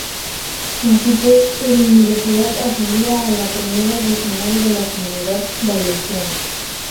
Así pues, el Universidad ascendía a la Primera Regional de la Comunidad Valenciana.